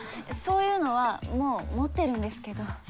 そういうのはもう持ってるんですけど。